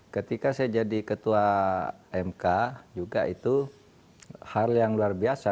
ketika saya jadi ketua mk juga itu hal yang luar biasa